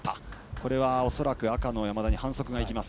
これは恐らく赤の山田に反則がいきます。